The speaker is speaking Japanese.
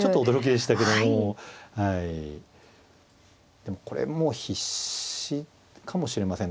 でもこれもう必至かもしれません。